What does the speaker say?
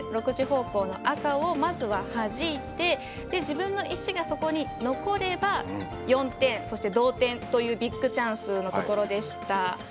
６時方向の赤をまずははじいて自分の石が、そこに残れば４点そして同点というビッグチャンスのところでした。